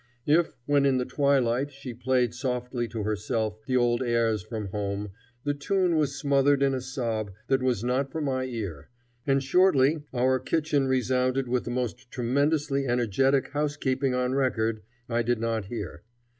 If, when in the twilight she played softly to herself the old airs from home, the tune was smothered in a sob that was not for my ear, and shortly our kitchen resounded with the most tremendously energetic housekeeping on record, I did not hear.